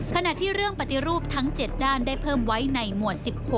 ขณะที่เรื่องปฏิรูปทั้ง๗ด้านได้เพิ่มไว้ในหมวด๑๖